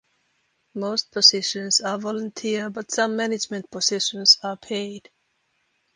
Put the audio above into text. Most positions are volunteer but some management positions are paid.